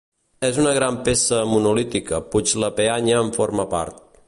És una gran peça monolítica puix la peanya en forma part.